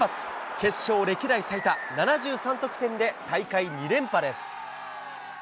決勝歴代最多７３得点で大会２連覇です。